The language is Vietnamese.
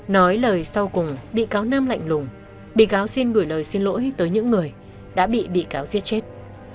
nói lời sau cùng bị cáo nam lạnh lùng bị cáo xin gửi lời xin lỗi tới những người đã bị bị cáo giết chết